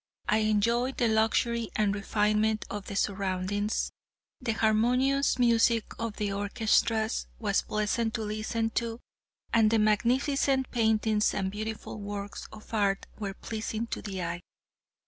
I enjoyed the luxury and refinement of the surroundings. The harmonious music of the orchestras was pleasant to listen to, and the magnificent paintings and beautiful works of art were pleasing to the eye.